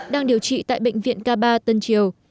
đang điều trị tại bệnh viện k ba tân triều